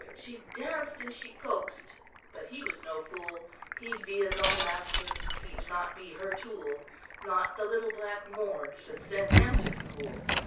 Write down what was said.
"She danced and she coaxed, but he was no fool; He'd be his own master, he'd not be her tool: Not the little black moor should send him to school."